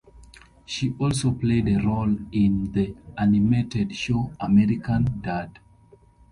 She also played a role in the animated show American Dad!